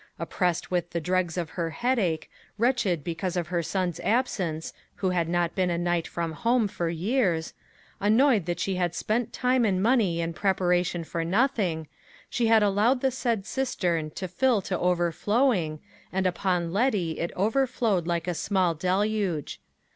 Oppressed with the dregs of her headache, wretched because of her son's absence, who had not been a night from home for years, annoyed that she had spent time and money in preparation for nothing, she had allowed the said cistern to fill to overflowing, and upon Letty it overflowed like a small deluge.